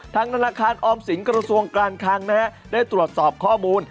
ทางธนาคารออมสินกรสวงการข้างนะครับได้ตรวจสอบข้อมูล